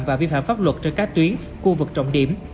và vi phạm pháp luật trên các tuyến khu vực trọng điểm